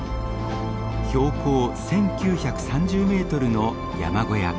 標高１，９３０メートルの山小屋。